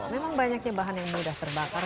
memang banyaknya bahan yang mudah terbakar